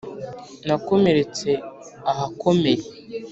Nakomeretse ahakomeye